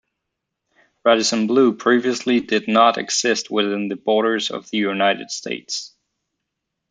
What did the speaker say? Radisson Blu previously did not exist within the borders of the United States.